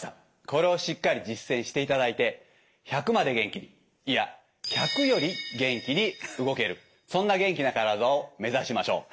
これをしっかり実践していただいて１００まで元気にいや１００より元気に動けるそんな元気な体を目指しましょう。